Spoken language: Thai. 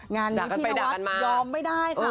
งานนี้พี่นวัดยอมไม่ได้ค่ะ